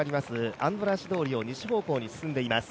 アンドラーシ通りを西方向に進んでいます。